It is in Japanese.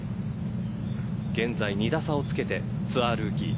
現在２打差をつけてツアールーキー